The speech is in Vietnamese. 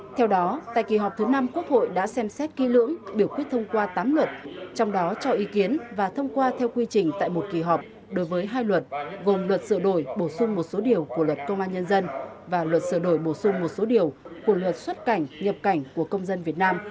theo đó tại kỳ họp thứ năm quốc hội đã xem xét ký lưỡng biểu quyết thông qua tám luật trong đó cho ý kiến và thông qua theo quy trình tại một kỳ họp đối với hai luật gồm luật sửa đổi bổ sung một số điều của luật công an nhân dân và luật sửa đổi bổ sung một số điều của luật xuất cảnh nhập cảnh của công dân việt nam